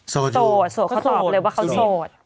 โสดโสดเขาตอบเลยว่าเขาโสด